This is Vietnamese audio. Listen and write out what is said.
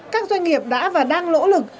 các doanh nghiệp đã và đang lỗ lực